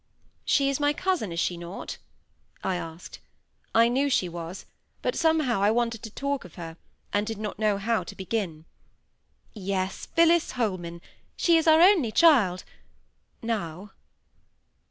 "She is my cousin, is she not?" I asked. I knew she was, but somehow I wanted to talk of her, and did not know how to begin. "Yes—Phillis Holman. She is our only child—now."